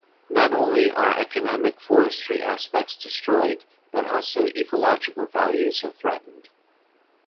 Not only are economic forestry aspects destroyed, but also ecological values are threatened.